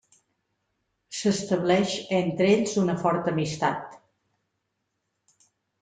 S'estableix entre ells una forta amistat.